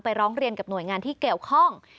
ร้องเรียนกับหน่วยงานที่เกี่ยวข้อง